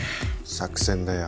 作戦だよ。